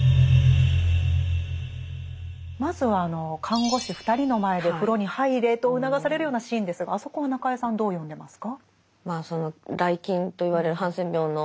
まずは看護師２人の前で風呂に入れと促されるようなシーンですがあそこは中江さんどう読んでますか？